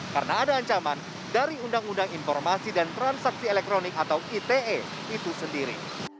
karena ada ancaman dari undang undang informasi dan transaksi elektronik atau ite itu sendiri